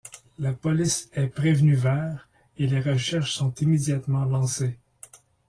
La police est prévenue vers et les recherches sont immédiatement lancées.